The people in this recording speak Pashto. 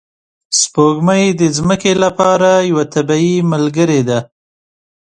سپوږمۍ د ځمکې لپاره یوه طبیعي ملګرې ده